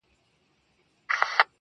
زه به هم داسي وكړم.